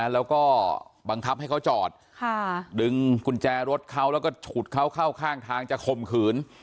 แล้วก็บังคับให้เขาจอดดึงกุญแจรถเขาแล้วก็ฉุดเขาเข้าข้างทางจะข่มขืน